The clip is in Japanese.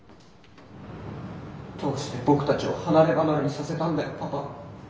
どうして僕たちを離れ離れにさせたんだよパパ。